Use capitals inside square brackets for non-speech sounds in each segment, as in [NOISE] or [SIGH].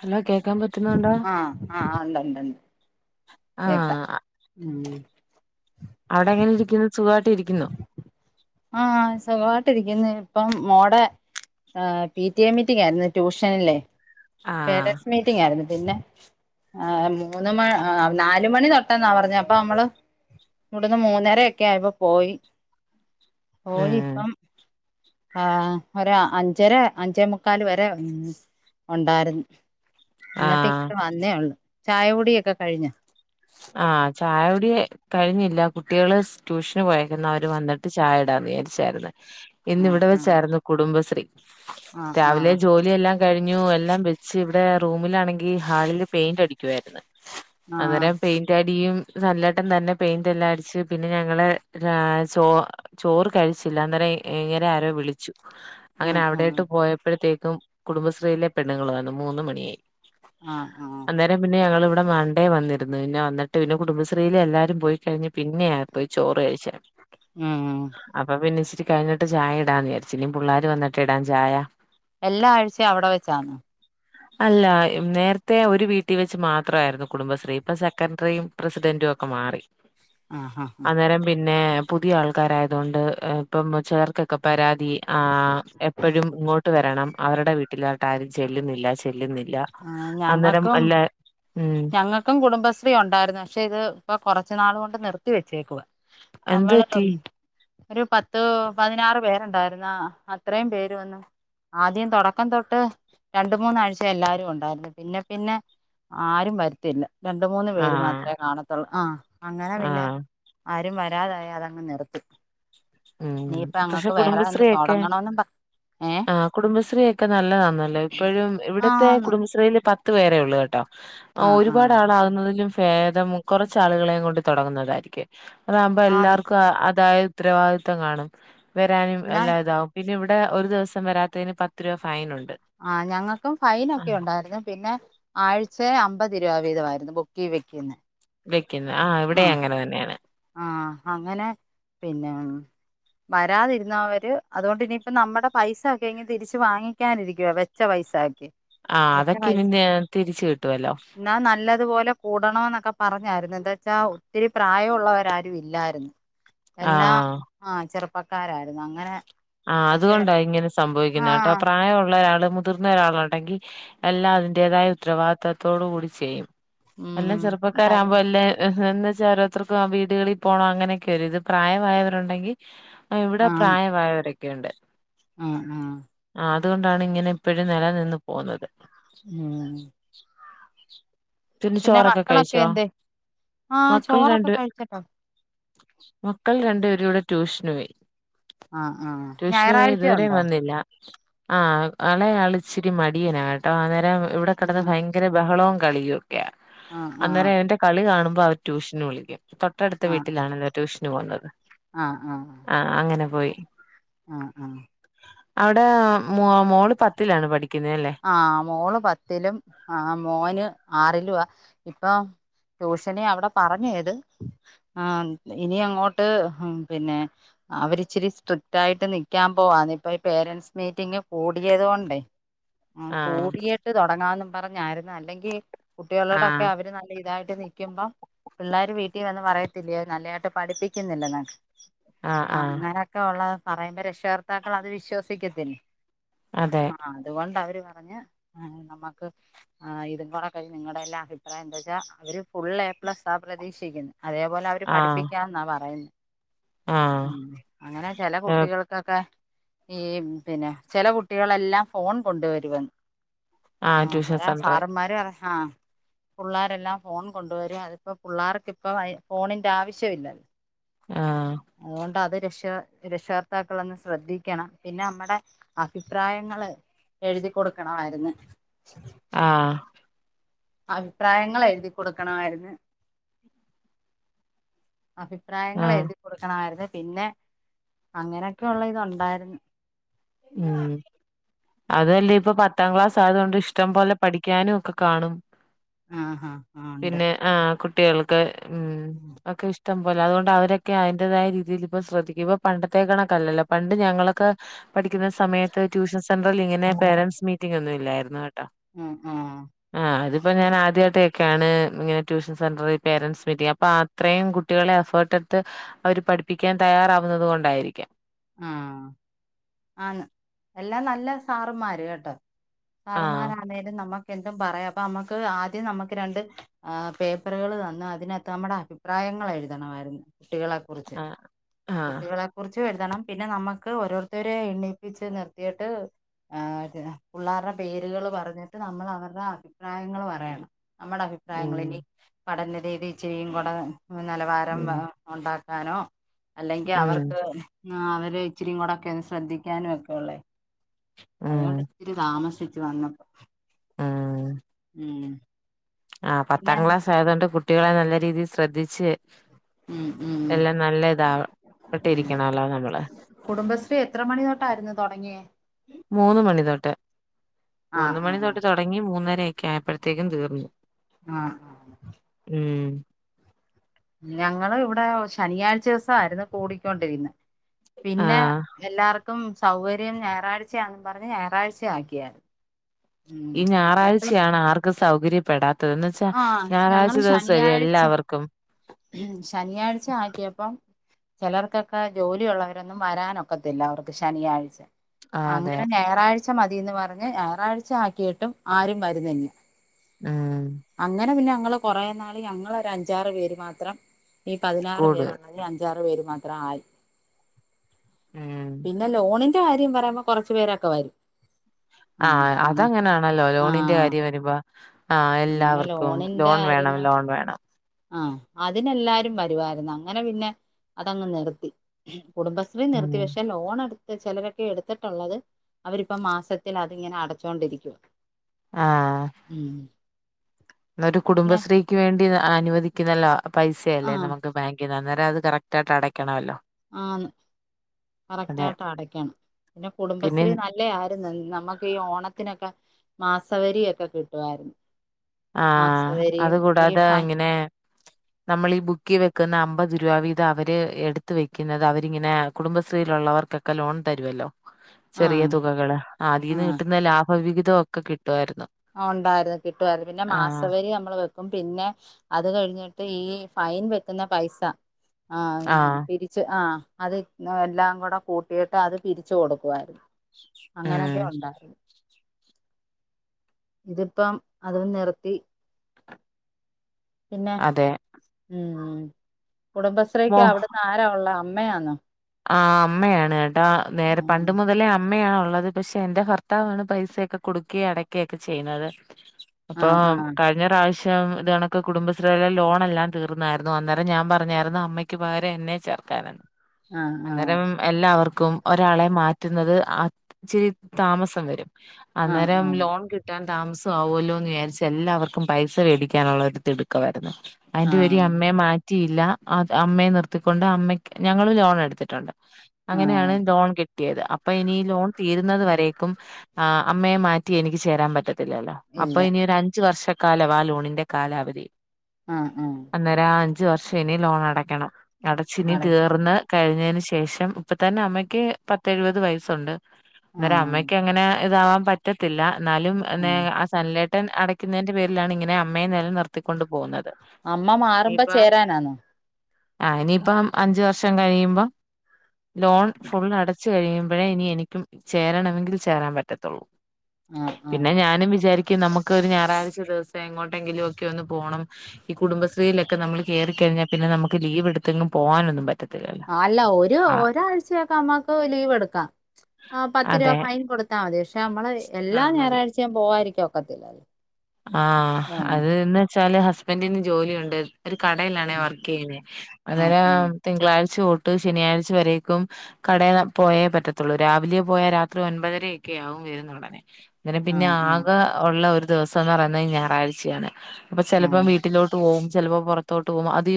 Hello കേ ആഹ് ആഹ് ഉണ്ടണ്ട്ണ്ട് കേക്കാ ആഹ് അവിടെ എങ്ങനെ ഇരിക്കുന്നു സുഖമായിട്ട് ഇരിക്കുന്നോ ആഹ് സുഖമായിട്ടിരിക്കുന്നു ഇപ്പം മോടെ ആ ഹ പി ടി എ മീറ്റിംഗ് ആയിരുന്നു ട്യൂഷന്ല് ആഹ് പേരൻറ്സ് മീറ്റിംഗ് ആയിരുന്നു പിന്നെ ആഹ മൂന്ന് മ നാല് മണി തൊട്ടെന്നാ പറഞ്ഞത് അപ്പൊ നമ്മള് ഇവിടുന്ന് മൂന്നര ഒക്കെ ആയപൊ പോയി പോയി ഉം ഇപ്പം ആഹ ഒര അഞ്ചര അഞ്ചേ മുക്കാല് വരെ നിന്ന് ഉണ്ടായിരുന്നു ന്നിട്ട് ആഹ് ഇങ്ങോട്ട് വന്നേ ഉള്ളു ചായകുടിയൊക്കെ കഴിഞ്ഞ ആഹ് ചായഉടി കഴിഞ്ഞില്ല കുട്ടികള് ട്യൂഷന് പോയേക്കുന്ന് അവര് വന്നിട്ട് ചായടാന്ന് വിചാരിച്ചായിരുന്നു ഇന്ന് ആഹ് ഇവിടെ ആഹ് വെച്ചായിരുന്നു കുടുംബശ്രീ ആഹ് രാവിലെ ആഹ് ജോലിയെല്ലാം കഴിഞ്ഞു എല്ലാം ഇവിടെ റൂമിലാണെങ്കി ഹാളില് പെയിന്റ് അടിക്കുവാരുന്നു ആഹ് അന്നേരം യിന്റടിയും നല്ലാട്ടം തന്നെ പെയിന്റ് എല്ലാം അടിച്ച് പിന്നെ ഞങ്ങളെ ചോ ചോറ് കഴിച്ചില്ല അന്നേരം ഇങ്ങേരെ ആരോ വിളിച്ചു ഉം അങ്ങനെ ഉം അവിടെയിട്ട് പോയപ്പോഴത്തേക്കും കുടുംബശ്രീയിലെ പെണ്ണുൾ വന്നു മൂന്ന മണിയായി ആഹ ആഹ് അന്നേരം പിന്നെ ഞങ്ങളിവിടെ മണ്ടേ വന്നിരുന്നു ടന്ന് പിന്നെ വന്നിട്ട് പിന്നെ കുടുംബശ്രീൽ എല്ലാരും പോയി കഴിഞ്ഞ് പിന്നെയാ പോയി ചോറ് കഴിചെ ഉം ഉം അപ്പൊ പിന്നെച്ചിരി കഴിഞ്ഞിട്ട് ചായ ഇടാന്ന് വിചാരിച്ച ഇനീ പുള്ളാര് വന്നിട്ട് ഇടാൻ ചായാ എല്ലാ ആഴ്ചയും അവിടെ വെച്ചാണോ അല്ല നേരത്തെ ഒരു വീട്ടി വെച്ച് മാത്രാരുന്നു കുടുംബശ്രീ ഇപ്പ സെക്രട്ടറിയും പ്രസിഡന്റും ഒക്കെ മാറി ആഹ് ആഹ് അന്നേരം പിന്നെ പുതിയ ആൾക്കാരായതുകൊണ്ട് ഇപ്പം ചെലോർക്കൊക്കെ പരാതി ആഹ എപ്പോഴും ഇങ്ങോട്ട് വരണം അവരുടെ വീട്ടിലോട്ട് ആരും ചെല്ലുന്നില്ല ചെല്ലുന്നില്ല ല്ല ആഹ് അന്നേരം അല്ലെ ഉം അങ്ങക്കും കുടുംബശ്രീ ഉണ്ടായിരുന്നു പക്ഷെ ഇത് ഇപ്പൊ കുറച്ചു നാൾ കൊണ്ട് നിർത്തി വെച്ചേക്കുവ എന്ത് നമ്മളത് പറ്റി ഉം ഒരു പത്ത് പതിനാറ് പേരുണ്ടായിരുന്നാ അത്രയും പേര് വന്നു ആദ്യം തുടക്കം തൊട്ട് രണ്ട് മൂന്നാഴ്ച എല്ലാരും ഉണ്ടായിരുന്നു പിന്നെ പിന്നെ ആരും വരുത്തില്ല രണ്ട് മൂന്ന് പേര് ആഹ് മാത്രേ കാണതൊള്ളൂ ആഹ അങ്ങനെ പിന്നെ ആഹ് ആരും വരാതായി അതങ്ങ് നിർത്തി ഉം നീയിപ്പ പക്ഷെ അങ്ങക്ക് വേറെ ഒന്ന് കുടുംബശ്രീ ഒക്കെ തുടങ്ങണോന്നും പറ ഏഹ് ആഹ് കുടുംബശ്രീയൊക്കെ നല്ല താന്നല്ലോ ഇപ്പോഴും ഇവിടത്തെ ആന്ന് കുടുംബശ്രീൽ പത്ത് പത്ത് പേരെ ഉള്ളൂ കേട്ടോ ആഹ് ഒരുപാട് ആഹ് ആളാകുന്നതിലും ഭേദം കുറച്ചാളുകളെയും കൊണ്ട് തുടങ്ങുന്നതായിരിക്കും അതകുമ്പോ ആന്ന് എല്ലാവർക്കും അതായ ഉത്തരവാദിത്വം കാണും വരാനും എന്നാ എല്ലാ ഇതാവും പിന്നെ ഇവിടെ ഒരു ദിവസം വരാത്തതിന് പത്ത് രൂപ ഫൈൻ ഉണ്ട് ആഹ് ഞങ്ങക്കും ഫൈനൊക്കെ ഉണ്ടായിരുന്നു പിന്നെ ആഴ്ച അമ്പത് രൂപ വീതമായിരുന്നു ബുക്കി വെക്കുന്നെ വെക്കുന്നേ ആഹ ഇവിടെ ആഹ് അങ്ങനെ തന്നെയാണ് ആഹ് അങ്ങനെ പിന്നെ വരാതിരുന്നവര് അതുകൊണ്ട് ഇനിയിപ്പ നമ്മുടെ പൈസ ഒക്കെ ഇങ്ക് തിരിച്ച് വാങ്ങിക്കാനിരിക്കുവ വെ വച്ച പൈസാക്കെ ആഹ് അതൊക്കെ ഇതിഞ്ഞെ തിരിച്ചു കിട്ടുവല്ലോ ന്നാ നല്ലതുപോലെ കൂടണോന്നൊക്കെ പറഞ്ഞായിരുന്നു എന്താച്ചാ ഒത്തിരി പ്രായവുള്ളവരെ പ്രായമായവര് ആരും ഇല്ലായിരുന്നു എല്ലാം ആഹ് ആഹ് ചെറുപ്പക്കാരായിരുന്നു അങ്ങനെ ആഹ് പക്ഷെ അതുകൊണ്ടാ ഇങ്ങനെ സംഭവിക്കുന്നേട്ടോ ആഹ് പ്രായവുള്ള ഒരാള് മു മുതിർന്ന ഒരാളുണ്ടെങ്കിൽഎല്ലാം അതിൻ്റേതായ ഉത്തരവാദിത്തത്തോടു കൂടി ചെയ്യും. വല്ല ഉം ആഹ് ചെറുപ്പക്കാരാവുമ്പോ എല്ലാ ഇഹ്ന്ന ചാറ് അത്രക്കും ആ വീടുകളിൽ പോണോ അങ്ങനെയൊക്കെ വെരും, ഇത് പ്രായമായവരുണ്ടെങ്കി ഏഹ് എവിടെ പ്രായമായവരൊ ക്കെയുണ്ട്. ആഹ് ആഹ് ആഹ് അതുകൊണ്ടാണ് ഇങ്ങനെ ഇപ്പഴും നെല നിന്നു പോകുന്നത് ഹ്മ്മ് പിന്നെ ചോറൊക്കെ മക്കളൊക്കെ കഴിച്ചോ എന്തെ ആഹ് ചോറൊക്കെ കഴിക്ക മക്കള് രണ്ടുപേരും ഇവടെ ട്യൂഷന് പോയി. ആഹ് ആഹ് ട്യൂഷന് പോയി ഇതുവരെ ഞായറാഴ്ചയുണ്ടോ വന്നില്ല ആഹ് എളെ ആള് ഇച്ചിരി മടിയനാ കേട്ടോ അന്നേരം ഇവടെ കെടന്ന് ആഹ് ഭയ ങ്കര ബഹളും കളിയൊക്കെയാ ആഹ് ആഹ് അന്നേരം ഇവന്റെ കളി കാണുമ്പോൾ അവ ട്യൂഷന് വിളിക്കും തൊട്ടട്ത്ത ആഹ് വീട്ടിലാണ് ഇവര് ട്യൂഷന് പോകുന്നത് ആഹ് ആഹ്. ആഹ് അങ്ങനെ പോയി ആഹ് ആഹ്. അവടെ മോ മോള് പത്തിലാണ് പഠിക്കുന്നല്ലേ ആഹ് മോള് പത്തിലും ആഹ് മോന് ആറിലുവാ ഇപ്പം ട്യൂഷന് അവടെ പറഞ്ഞേയ്ത് ആഹ് ഇനി അങ്ങോട്ട് പിന്നെ അവരിച്ചിരി സ്ട്രിക്റ്റായിട്ട് നിക്കാ പോവാന്ന് ഇപ്പ ഈ പേരൻസ് മീറ്റിംഗ് കൂടിയത് കൊണ്ടേ ഹ്മ്മ് ആഹ് കൂടിയിട്ട് തൊടങ്ങാന്നും പറഞ്ഞായിരുന്നു അല്ലെങ്കി കുട്ടികളോടൊക്കെ ആഹ് അവര് നല്ല ഇതായിട്ട് നി നിക്കുമ്പം പിള്ളേര് വീട്ടിൽ വന്ന് പറയത്തില്ലയോ നല്ലതായിട്ട് പഠിപ്പിക്കുന്നില്ലെന്ന് ആഹ് ആഹ് അങ്ങനെ ഒക്കെ ഉള്ള പറയുമ്പ രക്ഷാകർത്താക്കൾ അത് വിശ്വസിക്കത്തില്ലേ അതെ ആഹ് അതുകൊണ്ട് അവര് പറഞ്ഞ് ഏഹ് നമ്മക്ക് ആഹ് ഇതും കൂടെ കഴിഞ്ഞ് നിങ്ങളുടെ എല്ലാം അഭിപ്രായം എന്താ വച്ചാ അവര് ഫുള്ളെ എപ്ലസ്സാ പ്രതീക്ഷിക്കുന്നേ അതേപോലെ അവര് ആഹ് പഠിപ്പിക്കാ എന്നാ പറയുന്നെ, ആഹ് ഹ്മ്മ് അങ്ങനെ ചെല ഏഹ് കുട്ടികള് ൾക്കൊക്കെ, ഈ പിന്നെ ചെല കുട്ടികളെല്ലാം ഫോൺ കൊണ്ടുവരുവെന്ന് ആഹ് ട്യൂഷൻ അന്നേരം സെന്ററ് സാറമ്മാര് പറഞ്ഞ് ആഹ് പുള്ളേരല്ലാം ഫോൺ കൊണ്ട് വരാ അതിപ്പം പിള്ളേർക്ക്പ്പം അയ് ഫോണിന്റെ ആവശ്യമില്ലല്ലോ ആഹ്. അതുകൊണ്ട് അത് രക്ഷ രക്ഷകർത്താക്കളൊന്ന് ശ്രദ്ധിക്കണം. പിന്നെ നമ്മടെ അഭിപ്രായങ്ങള് എഴുതി കൊടുക്കണമായിരുന്ന് ആഹ്. അഭിപ്രായങ്ങള് എഴുതി കൊടുക്കണമായിരുന്ന്. അഭിപ്രായങ്ങള് ആഹ് എഴുതി കൊടുക്കണമായിരുന്ന്. പിന്നെ അങ്ങനൊക്കെയുള്ള ഇത് ഉണ്ടായിരുന്ന്. ഹ്മ്മ്, അതുവല്ല ഇപ്പ പത്താം ക്ലാസ് ആയതു കൊണ്ട് ഇഷ് ട്ടം പോലെ പഠിക്കാനും ഒക്കെ കാണും. ആഹാ ആ ഉണ്ട് പിന്നെ ആഹ് കു ട്ടികൾക്ക് ഹ്മ്മ് ഒക്കെ ഇഷ് ട്ടം പോലെ അതോണ്ട് അവരൊക്കെ അയിന്റേതായ രീതിയിപ്പ ശ്രദ്ധിക്കും. ഇപ്പ പണ്ടത്തേ കണക്കല്ലല്ലോ പണ്ട് ഞങ്ങളൊക്കെ പഠിക്കുന്ന സമയത്ത് ട്യൂഷൻ സെന്ററിലിങ്ങനെ പേരൻസ് മീറ്റിംഗ് ഒന്നും ഇല്ലായിരുന്നു കേട്ടോ ഉം ആഹ് ആഹ് ഇതിപ്പ ഞാൻ ആദ്യായിട്ട് കേക്കാണ് ഇങ്ങനെ ട്യൂഷൻ സെന്ററിൽ പേരൻസ് മീറ്റിംഗ് അപ്പാ ത്രേം കുട്ടികളെ എഫെട്ട്ട്ത്ത് അവര് പഠിപ്പിക്കാൻ തയ്യാറാവുന്നത് കൊണ്ടായിരിക്കാം ആഹ് ആന്ന് എല്ലാം നല്ല സാറമാര് കേട്ടോ ആഹ് മാരാണേിലും നമ്മുക്ക് എന്തും പറയാം അപ്പൊ നമ്മക്ക് ആദ്യം നമ്മക്ക് രണ്ട് ആഹ് പേപ്പറ്കൾ തെന്ന് അതിനകത്ത് നമ്മളെ അഭിപ്രായങ്ങൾ എഴ്തണമായിരുന്നു കുട്ടികളെ കുറിച്ച് ആഹ് ആഹ് കുട്ടികളെ കുറിച്ച് എഴുതണം പിന്നെ നമ്മക്ക് ഓരോര്ത്ത ത്തരെ എണീപ്പിച്ച് നിർത്തീട്ട് ആഹ് അതെ പിള്ളേരുടെ പേരുകൾ പറഞ്ഞിട്ട് നമ്മൾ അവര്ടെ അഭിപ്രായങ്ങൾ പറയണം നമ്മടെ ഉം അഭിപ്രായങ്ങള് ഇനി പഠന രീതി ചെയ്യുമ്പള് നിലവാരം ഉം ഏ ഉണ്ടാക്കാനോ അല്ലെങ്കി ഉം അവർക്ക് അവര് ഇച്ചിരി കൂടെക്കെ ശ്രദ്ധിക്കാനും ഒക്കെ ഉള്ളേ ഉം അത്കൊണ്ട് ഇത്തിരി താമസിച്ചു വന്നപ്പോ ഉം ഉം ആഹ് പിന്നെ പത്താം ക്ലാസ് ആയതോണ്ട് കുട്ടികളെ നല്ല രീതിയിൽ ശ്രദ്ധിച്ച് ഉം ഉം എല്ലാം നല്ല ഇതാവ [UNINTELLIGIBLE] ഉം ഇരിക്കണല്ലോ നമ്മള് കുടുംബശ്രീ എത്ര മണിത്തൊട്ടായിരുന്നു തൊടങ്ങിയേ മൂന്ന് മണി തൊട്ട് ആ മൂന്ന് ആ മണി തൊട്ട് തുടങ്ങി മൂന്നരയൊക്കെ ആയപ്പോഴത്തേക്കും തീർന്നു ആഹ് ഉം ഞങ്ങള് ഇവിടെ ശനിയാഴ്ച ദിവസായിരുന്നു കൂടിക്കൊണ്ടിര്ന്നത് പിന്നെ ആഹ് എല്ലാർക്കും സൗകര്യം ഞായറാഴ്ച്ചയാന്ന് പറഞ്ഞ് ഞായറാഴ്ച്ചയാക്കിയാര് ഈ ഞായറാഴ്ച്ചയാണ് ആർക്കും സൗകര്യപ്പെടാത്തത് എന്ന് വെച്ചാ ആഹ് ഞായറാഴ്ച ദിവസെ എല്ലാവർക്കും ശനിയാഴ്ച്ച ആക്കിയപ്പം ചെലർക്കൊക്കെ ജോലിയുള്ളവരൊന്നും വരാനൊക്കത്തില്ല അവർക്ക് ശനിയാഴ്ച്ച ആഹ് അതെ അങ്ങനെ ഞായറാഴ്ച്ച മതിന്ന് പറഞ്ഞ് ഞായറാഴ്ച്ച ആക്കിയിട്ടും ആരും വര്ന്നില്ല ഉം അങ്ങനെ പിന്നെ ഞങ്ങള് കൊറെ നാള് ഞങ്ങളോര് അഞ്ചാറ് പേര് മാത്രം ഈ പതിനാറ് കൂടുതൽ പേരുള്ളതില് അഞ്ചാറ് പേര് മാത്ര ആയി ഉം പിന്നെ ലോണിന്റെ കാര്യം പറയുമ്പോ കൊറച്ച് പേരൊക്കെ വരും ആഹ് അ അതങ്ങനാണല്ലോ ലോണിന്റെ ആഹ് കാര്യം വരുമ്പോ ആഹ് അങ്ങനെ എല്ലാവർക്കും ലോൺ വേണം ലോൺ വേണം ആ ഹ് അതിനെല്ലാരും വരുവായിരുന്നു അങ്ങനെ പിന്നെ അതങ്ങ് നിർത്തി കുടുംബസ് ശ്രീ നിർത്തി ഉം പക്ഷെ ലോൺ എടുത്ത് ചെലരൊക്കെ എട്ത്തിട്ട്ള്ളത് അവരിപ്പ മാസത്തിൽ അതിങ്ങനെ അട ച്ചൊണ്ടിരിക്കുക ആഹ് ഉം ഒരു പിന്നെ കുടുംബശ്രീക്ക് വേണ്ടി അനുവദിക്കുന്നല്ല പൈസയല്ലേ ആഹ് നമുക്ക് ബേ [UNINTELLIGIBLE] അന്നേരം അത് കറക്റ്റായിട്ട് അടയ്ക്കണമല്ലോ ആന്ന് അതെ കറക്റ്റായിട്ട് അടക്കണം പിന്നെ പിന്നെ കുടുംബശ്രീ ന ല്ലേ ആയിരുന്നു നമുക്ക് ഈ ഓണത്തിനൊക്കെ മാസവെരിയൊക്കെ കിട്ടുവായിരുന്നു ആഹ് മാസവെരിയും ഈ ഫ നമ്മള് ഈ ബുക്കി വെക്കുന്ന അമ്പത് രൂപ വീതം അവര് എട്ത്ത് വെക്കുന്നത് അവരിങ്ങനെ കുടുംബശ്രീല്ള്ളവർക്ക് ക്കെ ലോൺ തരുവല്ലോ ചെറിയ ആഹ് തുകകള് ആഹ് അതീന്ന് കിട്ടുന്ന ലാഭവിഹിതം ഒക്കെ കിട്ടുവായിരുന്നു ആഹ് ഉണ്ടായിരുന്നു കിട്ടുവായിരുന്നു പിന്നെ ആഹ് മാസവരി നമ്മള് വെ പിന്നെ അത് കഴിഞ്ഞിട്ട് ഈ ഫൈൻ വെക്കുന്ന പൈസ ആ ആഹ് അത് എല്ലാം കൂടെ കൂട്ടിയിട്ട് അത് പിരിച്ച് കൊടുക്കുമായിരുന്നു ഉം അങ്ങനൊക്കെ ഉണ്ടായി ഇതിപ്പം അത് നിർത്തി പിന്നെ അതെ ഉ മോ കുടുംബശ്രീക്ക് അവിടന്ന് ആരാ ഉള്ള അമ്മയാന്നോ ആ അമ്മയാണ് കേട്ടാ നേരെ ഉം. പണ്ട് മുതലേ അമ്മയാണള്ളത് പക്ഷെ എന്റെ ഭർത്താവാണ് പൈസൊക്കെ കൊടുക്കെ അടക്കെക്കെ ചെയ്യുന്നത് ആ അപ്പൊ ആ അതിനഞ്ഞൊവശ്യം ഇ കണക്ക് കുടുംശീളെ ലോണെല്ലാം തീർന്നായിരുന്നു അന്നേരം ഞാൻ പറഞ്ഞായിരുന്നു അമ്മയ്ക്ക് ക്ക് പകരം എന്നെ ചേർക്കാണ് ആ ആ അന്നേരം എല്ലാവർക്കും ഒരാളെ മാറ്റുന്നത് അച്ചിരി താമസം വരും ആ അന്നേരം ലോൺ കി കിട്ടാൻ താമസം ആവുല്ലോ എന്ന് വിചാരിച്ചു എല്ലാവർക്കും പൈസ മേടിക്കാനുള്ളൊരുതിടുക്കമായിരുന്നു ആ ആ അയ്ന്റെ പേരി അമ്മയെ മാറ്റിയില്ല അമ്മയെ നിർത്തിക്കൊണ്ട് അമ്മക്ക് ഞങ്ങള്ലോൺ എടുത്തിട്ടുണ്ട് ആ അങ്ങനെയാണ് ഡോൺ ക്കിട്ട.. കിട്ടിയത് അപ്പൊ ഇനി ലോൺ തീരുന്നത് വരേക്കും ആ അമ്മയെ മാറ്റി എനിക്ക് ചേരാൻ പറ്റത്തില്ലല്ലോ ഇല്ല അപ്പ ഇനി ഒരു അഞ്ച വർഷക്കാലവാ ലൊണിന്റെ കാലാവധി ഉം ഉം അന്നേരം അഞ്ചു വർഷം ഇനി ലോൺ അടക്കണം അടച്ചിനി അട തീർന്ന് കഴിഞ്ഞെ.. ശേഷം ഇപ്പ തന്നെ അമ്മയ്ക്ക് പത്ത എഴുപത് വയസുണ്ട് ആ അന്നേരം അമ്മയ്ക്ക് അങ്ങനെ ഇതാവാൻ പറ്റത്തില്ല എന്നാലും ആ നെ... നലേട്ടൻ അടയ്ക്കുന്നതിന്റെ പേരിലാണ് ഇങ്ങനെ അമ്മയെ നെലനിർത്തിക്കൊണ്ടു പോകുന്നത് അമ്മ മാറുമ്പോ ഇനിയിപ്പ ചേരാനാന്നോ ആ ഇനിയിപ്പം അഞ്ച വർഷം കഴിയുഭം ലോൺ ഫുള്ള് അടച്ചു കഴിയുമ്പോഴേ ഇനി എനിക്കും ചേരണമെങ്കിൽ ചേരാൻ പറ്റത്തുള്ളൂ ആ പിന്ന ആ ആ പിന്നെ ഞാനും വിചാരിക്കും നമുക്ക് ഒരു ഞായറാഴ്ച ദിവസം എങ്ങോട്ടെങ്കിലും ഒക്കെ ഒന്ന് പോണം ഈ കുടുംബശ്രീയിലൊക്കെ നമ്മൾ കേറികയിഞ്ഞാ പിന്നെ നമുക്ക് ലീവ് എടുത്തെങ്ങും പോവാനൊന്നും പറ്റില്ല ആഹ് അല്ല ഒരു ഒരാഴ്ചയൊക്കെ അമ്ക്ക് ലീവ് എടുക്കാം ആ പത്ത് രൂപ അതെ ഫൈൻ കൊടുത്താമതി പക്ഷെ നമ്മള് ആ എല്ലാം മതി ഞായറാഴ്ച വിൻ പോവായിരിക്കും ഒക്കത്തില്ല ആ അത്ന്ന് വെച്ചാല് ഹസ്ബൻറിന് ജോലിയുണ്ട് ഒരു കടയിലാണ് വ ർക്ക് ചെയ്യത ആഹ് അന്നേരം ആഹ്. തിങ്കളാഴ്ച തൊട്ട് ശനിയാഴ്ച വരേക്കും കടയ പോയേ പറ്റത്തുള്ളൂ രാവിലെ പോയാൽ രാത്രി ഒൻപതരൊക്കെ ആകും വരുനണ്ടന ടനെ ഇങ്ങെ പിന്നെ ആഹ് ആഹ്. ആകെ ഉള്ള ഒരു ദെവസം എന്ന് പറയുന്നത് ഞായറാഴ്ചയാണ് അപ്പൊ ചെലപ്പോം ആഹ്. വീട്ടിലോട്ട് ചെലപ്പം പോകും ചെലപ്പോ പുറത്തോട്ട് പോകും അത്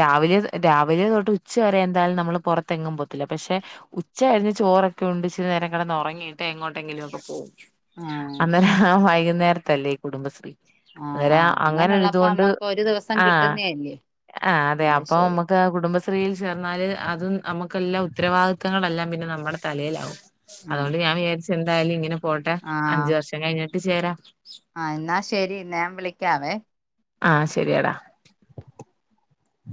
രാവിലെ രാവിലെ തൊട്ട് ഉച്ച വരെ എന്തായാലും നമ്മള് പുറത്തെങ്ങും പോത്തില്ല പക്ഷെ ഉച്ച കഴിഞ്ഞ ചോറൊക്കെ ഉണ്ട് ഇച്ചിരി നേരം കകെടന്നൊരാങ്ങിയിട്ട് റങ്ങിയിട്ട് എങ്ങോട്ടെങ്കിലുക്കെ പോകും ആഹ്. അന്നേര വൈകുന്നേരത്തെല്ലേ ഈ കുടുംബശ്രീ ആഹ് അരാ ആഹ്. അങ്ങനെ അങ്ങനെയുള്ളപ്പോ തൊണ്ട് നമ്മക്ക് ഒരു ദിവസം ആഹ് കിട്ടുന്നയല്ലേ. ആഹ് അതെ അത് അപ്പൊ ശരി. നമ്മ കുടുംബശ്രീയിൽ ചേർന്നാല് അതും നമുക്കെല്ലാ ഉത്തരവാദിത്വങ്ങളെല്ലാം പിന്നെ നമ്മുടെ തലയിലാവും ആഹ്. അതൊണ്ട് ഞാൻ വിചാരിച്ച എന്തായാലും ഇങ്ങനെ പോട്ടെ അഞ്ച ആഹ്. വർഷം കഴിഞ്ഞിട്ട് ചേരാ ആഹ് എന്നാ ശരി നാൻ വിളിക്കാവേ ആഹ് ശരിയടാ